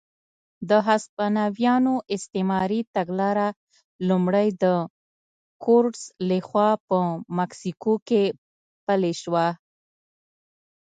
د هسپانویانو استعماري تګلاره لومړی د کورټز لخوا په مکسیکو کې پلې شوه.